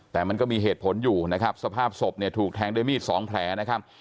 แต่มันก็มีเหตุผลอยู่นะครับสภาพศพเนี่ยถูกแทงด้วยมีดสองแผลนะครับ